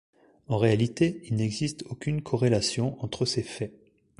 En réalité, il n'existe aucune corrélation entre ces faits.